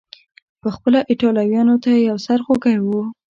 پخپله ایټالویانو ته یو سر خوږی و.